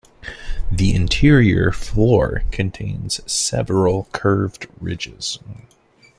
The interior floor contains several curved ridges.